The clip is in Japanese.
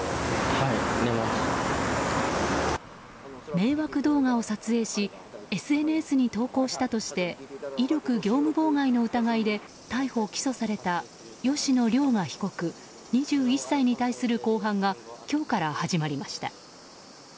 迷惑動画を撮影しＳＮＳに投稿したとして威力業務妨害の疑いで逮捕・起訴された吉野凌雅被告、２１歳に対する公判が今日から始まりました。